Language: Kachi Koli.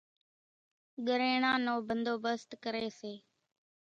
ڳريڻان نو ڀنڌوڀست ڪريَ سي۔